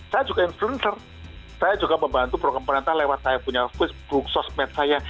saya juga influencer saya juga membantu program pemerintah lewat saya punya facebook sosmed saya